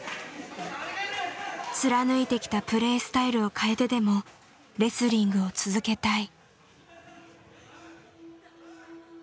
貫いてきたプレースタイルを変えてでもレスリングを続けたい。